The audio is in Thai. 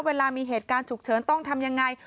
เวลามีเหตุการณ์ฉุกเฉินต้องทำยังไง